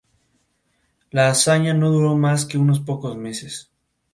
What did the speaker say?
Estas últimas obras se realizaron siguiendo los cánones neoclásicos.